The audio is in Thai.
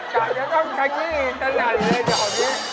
แต่จะต้องกดนี่ไหนกันอ่ะเดี๋ยวนี้